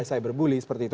cyber bully seperti itu